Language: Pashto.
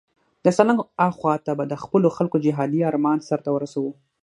د سالنګ اخواته به د خپلو خلکو جهادي آرمان سرته ورسوو.